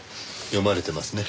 読まれてますね。